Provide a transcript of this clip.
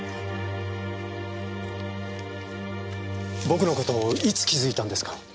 僕の事いつ気づいたんですか？